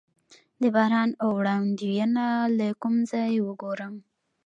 د باران وړاندوینه له کوم ځای وګورم؟